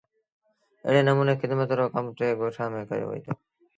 ايڙي نموني کدمت رو ڪم با ٽي ڳوٺآݩ ميݩ ڪيو وهيٚتو۔